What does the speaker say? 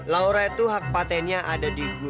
laura itu hak patennya ada di guru